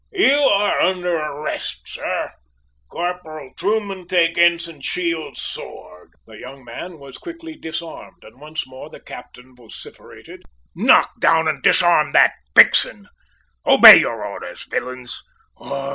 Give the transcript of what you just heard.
You are under arrest, sir! Corporal Truman, take Ensign Shields' sword!" The young man was quickly disarmed, and once more the captain vociferated: "Knock down and disarm that vixen! Obey your orders, villains!